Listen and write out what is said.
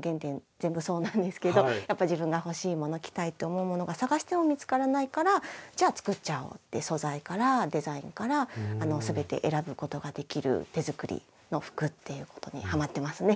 全部そうなんですけどやっぱ自分が欲しいもの着たいと思うものが探しても見つからないからじゃあ作っちゃおうって素材からデザインから全て選ぶことができる手作りの服っていうことにはまってますね。